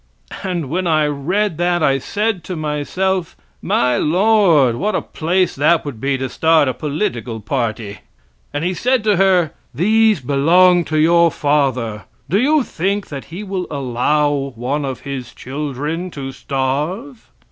And when I read that I said to myself, my Lord, what a place that would be to start a political party. And he said to her: "These belong to your father; do you think that he will allow one of his children to starve?